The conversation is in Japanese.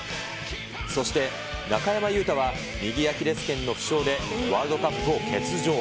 そして、中山雄太は右アキレスけんの負傷で、ワールドカップを欠場。